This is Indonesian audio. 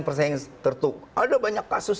persaing tertutup ada banyak kasus